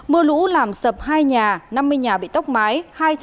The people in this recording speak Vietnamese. mưa lũ làm sập hai nhà năm mươi nhà bị tốc mái